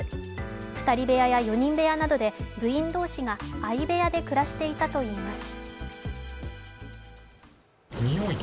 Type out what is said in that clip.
２人部屋や４人部屋などで部員同士が相部屋で暮らしていたといいます。